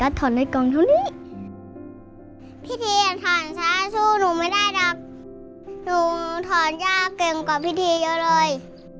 หนูถอนย่าเก่งกว่าพี่ทียังเยอะเลย